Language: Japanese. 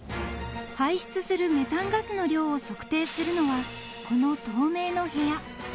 ［排出するメタンガスの量を測定するのはこの透明の部屋］